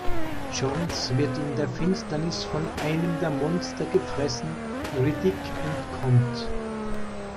Johns wird in der Finsternis von einem der Monster gefressen, Riddick entkommt.